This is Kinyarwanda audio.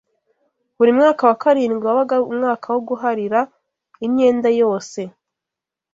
Buri mwaka wa karindwi wabaga umwaka wo guharira imyenda yose